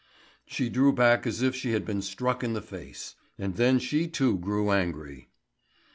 She drew back as if she had been struck in the face, and then she too grew angry.